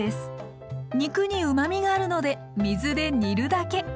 肉にうまみがあるので水で煮るだけ。